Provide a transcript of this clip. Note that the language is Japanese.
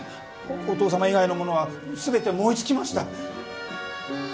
お父さま以外のものは全て燃え尽きました。